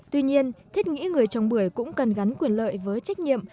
tuy nhiên thiết nghĩ người trồng bưởi cũng cần gắn quyền lợi với trách nhiệm